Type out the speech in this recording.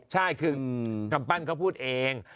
ใช่คือกำปั้นเขาพูดเอง